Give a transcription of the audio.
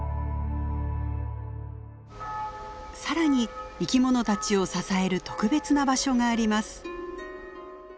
さらに生き物たちを支える特別な場所があります。